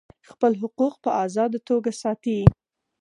خپل حقوق په آزاده توګه ساتي.